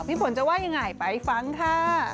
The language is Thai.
ฝนจะว่ายังไงไปฟังค่ะ